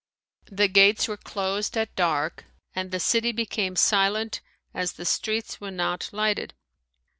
The gates were closed at dark and the city became silent as the streets were not lighted.